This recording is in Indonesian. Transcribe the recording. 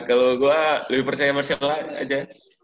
ya kalo gue lebih percaya marcel aja